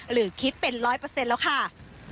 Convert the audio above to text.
หรือคิดเป็นร้อยเปอร์เซนต์แล้วค่ะ